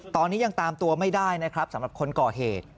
ตอนนี้ยังตามตัวไม่ได้นะครับสำหรับคนก่อเหตุ